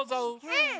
うん！